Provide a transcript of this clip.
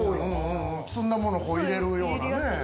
摘んだものを入れるようなね。